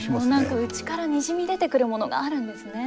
何か内からにじみ出てくるものがあるんですね。